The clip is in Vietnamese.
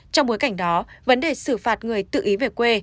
trong bối cảnh đó vấn đề xử phạt người tự ý về quê